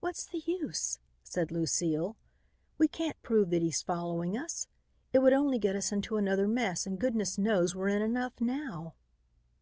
"What's the use?" said Lucile. "We can't prove that he's following us. It would only get us into another mess and goodness knows we're in enough now."